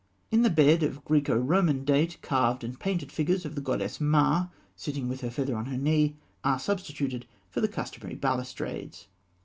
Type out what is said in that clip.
In the bed of Graeco Roman date (fig. 266), carved and painted figures of the goddess Ma, sitting with her feather on her knee, are substituted for the customary balustrades.